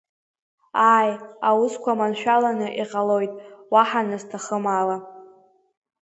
Ааи, аусқәа маншәаланы иҟалоит уаҳа назҭахым ала.